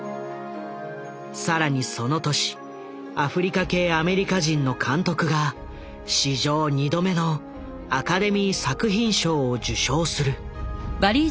更にその年アフリカ系アメリカ人の監督が史上２度目のアカデミー作品賞を受賞する。